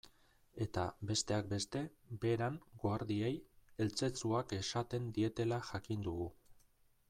Eta, besteak beste, Beran guardiei eltzetzuak esaten dietela jakin dugu.